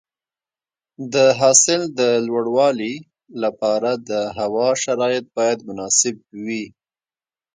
د حاصل د لوړوالي لپاره د هوا شرایط باید مناسب وي.